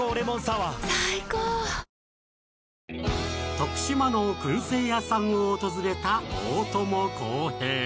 徳島のくん製屋さんを訪れた大友康平